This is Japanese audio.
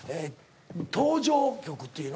登場曲っていうの？